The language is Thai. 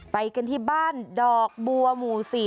ไปกันที่บ้านดอกบัวหมู่๔